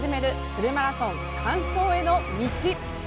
フルマラソン完走への道」